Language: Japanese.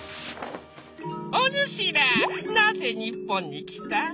「おぬしらなぜ日本に来た？」。